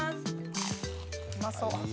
「うまそう」